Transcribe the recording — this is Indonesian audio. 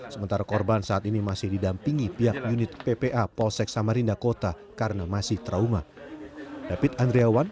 sementara korban saat ini masih didampingi pihak unit ppa polsek samarinda kota karena masih trauma